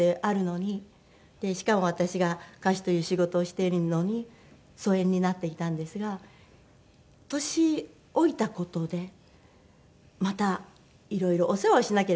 しかも私が歌手という仕事をしているのに疎遠になっていたんですが年老いた事でまたいろいろお世話をしなけりゃいけませんよね。